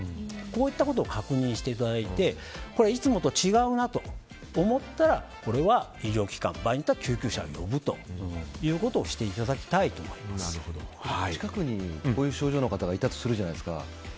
こういったことを確認していただいていつもと違うなと思ったらこれは医療機関、場合によっては救急車を呼ぶということを近くにこういう症状の方がいたとするじゃないですか。